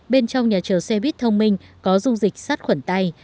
bên trong nhà chờ xe buýt thông minh có dung dịch sát khuẩn tay